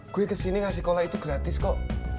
gue kesini ngasih kola itu gratis kok